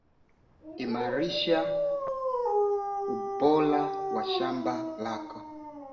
Kiongozi wa kundi hilo anaaminika kurudi Kongo